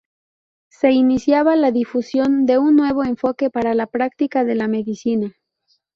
Se iniciaba la difusión de un nuevo enfoque para la práctica de la medicina.